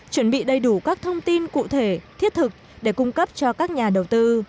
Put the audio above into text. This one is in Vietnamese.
chuẩn bị đầy đủ các thông tin cụ thể thiết thực để cung cấp cho các nhà đầu tư